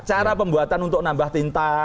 cara pembuatan untuk nambah tinta